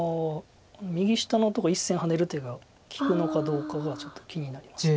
右下のとこ１線ハネる手が利くのかどうかがちょっと気になります。